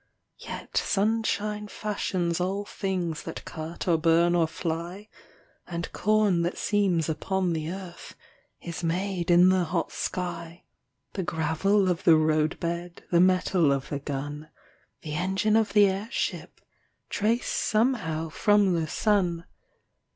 Yet sunshine fashions all things That cut or burn or fly; And corn that seems upon the earth Is made in the hot sky. The gravel of the roadbed, The metal of the gun, The engine of the airship Trace somehow from the sun.